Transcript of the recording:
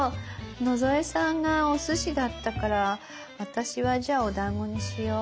野添さんがおすしだったから私はじゃあおだんごにしよう。